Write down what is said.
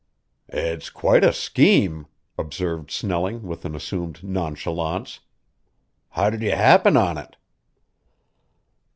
"It's quite a scheme," observed Snelling, with an assumed nonchalance. "How did you happen on it?"